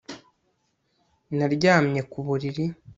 Naryamye ku buriri